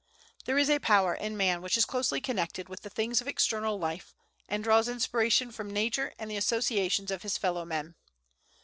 There is a power in man which is closely connected with the things of external life, and draws inspiration from nature and the associations of his fellow men.